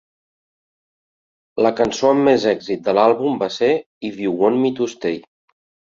La cançó amb més èxit de l'àlbum va ser "If you want me to stay".